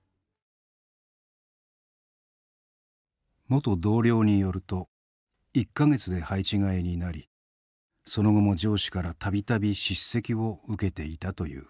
元同僚によると１か月で配置換えになりその後も上司から度々叱責を受けていたという。